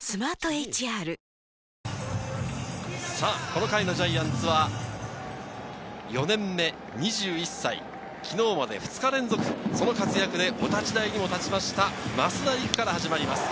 この回のジャイアンツは、４年目２１歳、昨日まで２日連続、その活躍でお立ち台に立った増田陸から始まります。